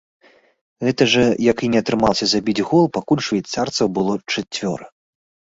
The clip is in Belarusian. Гэтак жа, як і не атрымалася забіць гол, пакуль швейцарцаў было чацвёра.